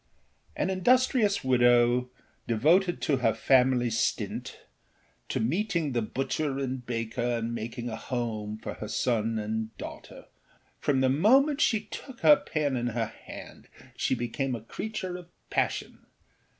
An industrious widow, devoted to her daily stint, to meeting the butcher and baker and making a home for her son and daughter, from the moment she took her pen in her hand she became a creature of passion.